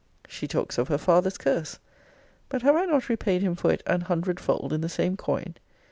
She talks of her father's curse! But have I not repaid him for it an hundred fold in the same coin?